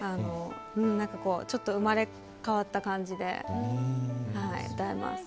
ちょっと生まれ変わった感じで歌えます。